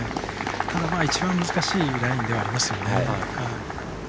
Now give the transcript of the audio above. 一番難しいラインではありますけどね。